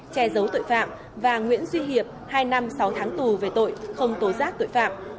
che giấu tội phạm và nguyễn duy hiệp hai năm sáu tháng tù về tội không tố giác tội phạm